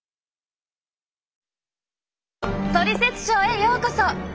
「トリセツショー」へようこそ！